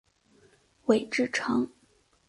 韦志成。